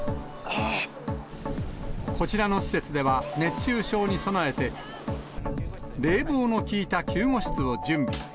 こちらの施設では、熱中症に備えて、冷房の効いた救護室を準備。